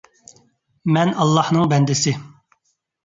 مەن ئاللاھنىڭ بەندىسى